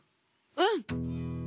うん。